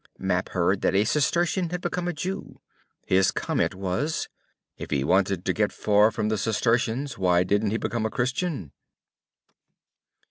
Map heard that a Cistercian had become a Jew. His comment was: "If he wanted to get far from the Cistercians why didn't he become a Christian."